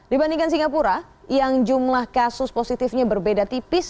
dibandingkan singapura yang jumlah kasus positifnya berbeda tipis